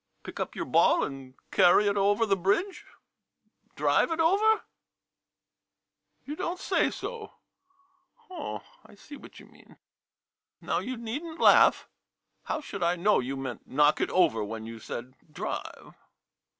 Pick up your ball and carry it over 8 105 MODERN MONOLOGUES the bridge? Drive it over? [Seriously. ] You don't say so ? Oh, I see what you mean. Now, you need n't laugh — how should I know you meant knock it over when you said drive.